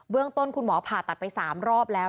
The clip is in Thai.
ต้นคุณหมอผ่าตัดไป๓รอบแล้ว